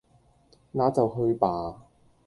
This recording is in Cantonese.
那就去吧！